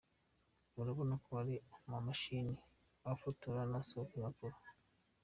Urabona ko hari amamashini afotora n’asohora impapuro.